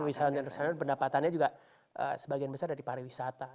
wisatawannya internasional pendapatannya juga sebagian besar dari pariwisata